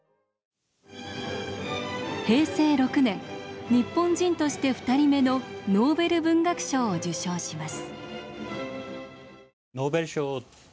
平成６年日本人として２人目のノーベル文学賞を受賞します。